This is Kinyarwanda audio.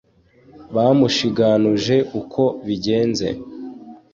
Bamushiganuje ukwo bigenze,